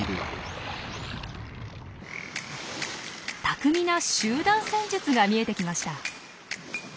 巧みな集団戦術が見えてきました。